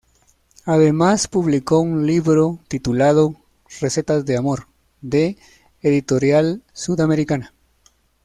Además, publicó un libro titulado "Recetas de amor", de Editorial Sudamericana.